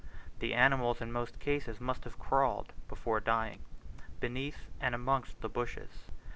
The animals in most cases must have crawled, before dying, beneath and amongst the bushes.